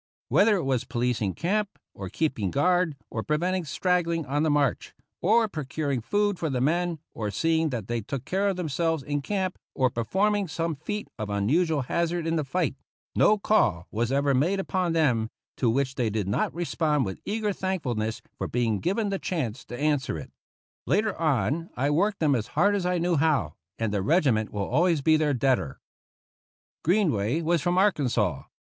Whether it was po licing camp, or keeping guard, or preventing straggling on the march, or procuring food for the men, or seeing that they took care of themselves in camp, or performing some feat of unusual hazard in the fight — no call was ever made upon them to which they did not respond with eager thankfulness for being given the chance to an swer it. Later on I worked them as hard as I knew how, and the regiment will always be their debtor. Greenway was from Arkansas.